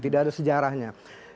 tidak ada sejarahnya